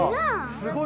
すごい！